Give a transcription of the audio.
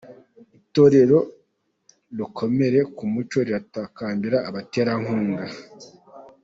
Itorero Dukomere ku muco riratakambira abaterankunga